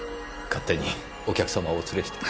勝手にお客様をお連れして。